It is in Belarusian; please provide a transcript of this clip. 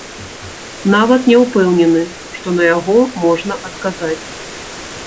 Нават не ўпэўнены, што на яго можна адказаць.